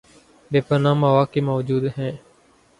بے پناہ مواقع موجود ہیں